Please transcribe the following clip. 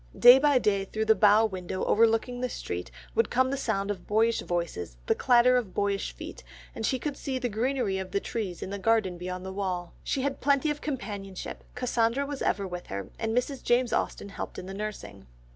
Day by day through the bow window overlooking the street, would come the sound of boyish voices, the clatter of boyish feet, and she could see the greenery of the trees in the garden beyond the wall. She had plenty of companionship, Cassandra was ever with her, and Mrs. James Austen helped in the nursing.